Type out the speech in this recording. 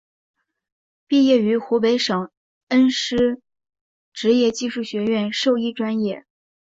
毕业于湖北省恩施职业技术学院兽医专业。